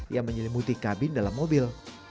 yang menyelimuti kabin dalam mobil